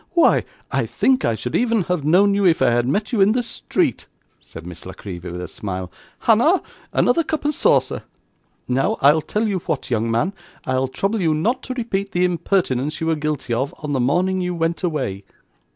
'Why, I think I should even have known you if I had met you in the street,' said Miss La Creevy, with a smile. 'Hannah, another cup and saucer. Now, I'll tell you what, young man; I'll trouble you not to repeat the impertinence you were guilty of, on the morning you went away.